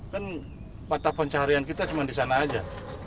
kan patah pencarian kita cuma di sana saja